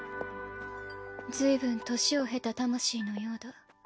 随分年を経た魂のようだ。